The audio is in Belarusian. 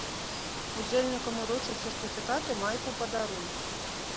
Удзельнікам уручаць сертыфікат і майку ў падарунак.